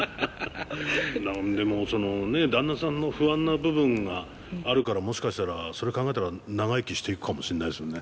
その旦那さんの不安な部分があるからもしかしたらそれ考えたら長生きしていくかもしれないですよね。